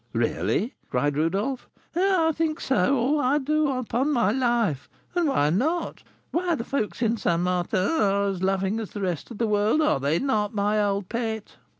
"Really!" cried Rodolph. "I think so, I do, upon my life. And why not? Why, the folks in St. Martin are as loving as the rest of the world; are they not, my old pet?"